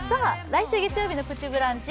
来週月曜日の「プチブランチ」